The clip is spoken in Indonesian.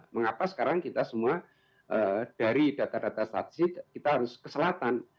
mengapa sekarang kita semua dari data data statistik kita harus ke selatan